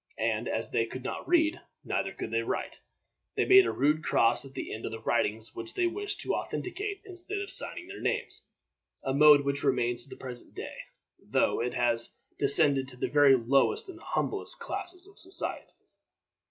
And as they could not read, neither could they write. They made a rude cross at the end of the writings which they wished to authenticate instead of signing their names a mode which remains to the present day, though it has descended to the very lowest and humblest classes of society.